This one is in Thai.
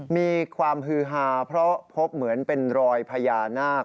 มีความฮือฮาเพราะพบเหมือนเป็นรอยพญานาค